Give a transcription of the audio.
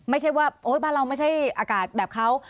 ไม่ใช่ว่าโอ๊ยบ้านเราไม่ใช่อากาศแบบเขา